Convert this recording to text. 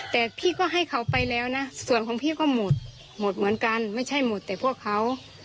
แต่พี่ก็ให้เขาไปแล้วนะส่วนของพี่ก็หมดหมดเหมือนกันไม่ใช่หมดแต่พวกเขา